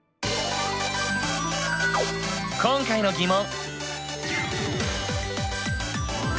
今回の疑問！